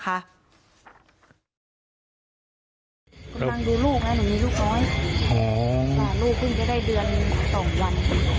กำลังดูลูกไงหนูมีลูกน้อยอ๋อลูกก็ไม่ได้เดือนสองวัน